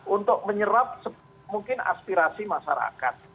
untuk menyerap mungkin aspirasi masyarakat